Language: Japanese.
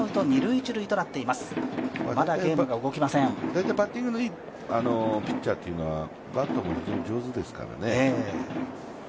大体バッティングのいいピッチャーというのは、バントも非常に上手ですからね。